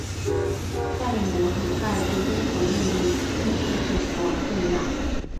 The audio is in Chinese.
塞利姆很快就遵从命令并迅速前往科尼亚。